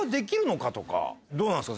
どうなんですか？